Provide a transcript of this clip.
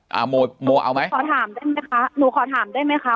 โมโมเอาไหมขอถามได้ไหมคะหนูขอถามได้ไหมคะ